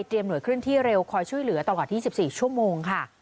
เตรียมหน่วยขึ้นที่เร็วคอยช่วยเหลือตลอดที่๑๔ชั่วโมงค่ะ